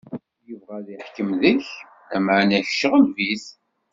Ibɣa ad iḥkem deg-k, lameɛna, kečč ɣleb-it.